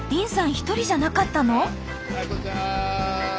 一人じゃなかったの？